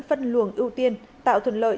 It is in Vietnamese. phân luồng ưu tiên tạo thuận lợi